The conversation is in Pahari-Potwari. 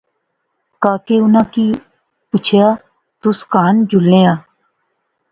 کاکے اُناں کی پُچھیا تس کھان جلنے آ